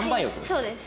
そうです。